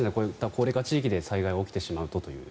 高齢化地域で災害が起きてしまうと。